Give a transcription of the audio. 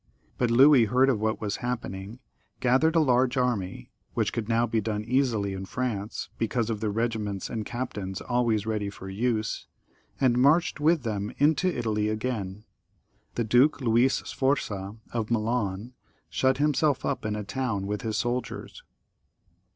But Louis heard of what was happening, gathered a large army, which could now be done easily in France, because of the regi ments tod captains always ready for use, as I told you, r and marched with them into Italy again. The duke Louis Sforza of Milan shut himself up in a town with his soldiers.